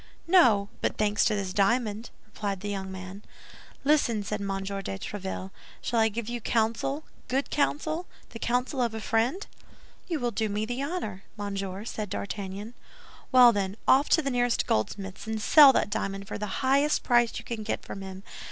"No; but thanks to this diamond," replied the young man. "Listen," said M. de Tréville; "shall I give you counsel, good counsel, the counsel of a friend?" "You will do me honor, monsieur," said D'Artagnan. "Well, then, off to the nearest goldsmith's, and sell that diamond for the highest price you can get from him.